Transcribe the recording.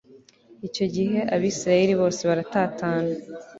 icyo gihe abayisraheli bose baratatana